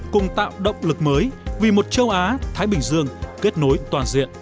cùng tạo động lực mới vì một châu á thái bình dương kết nối toàn diện